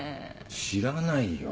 知らないよ。